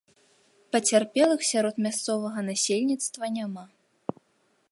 Пацярпелых сярод мясцовага насельніцтва няма.